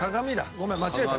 ごめん間違えた。